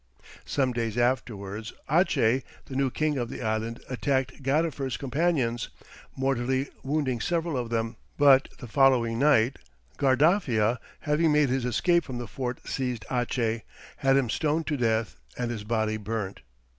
Some days afterwards, Ache, the new king of the island attacked Gadifer's companions, mortally wounding several of them, but the following night Guardafia having made his escape from the fort seized Ache, had him stoned to death, and his body burnt.